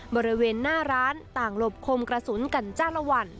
บริเวณหน้าร้านต่างหลบคมกระสุนกันจ้าละวัน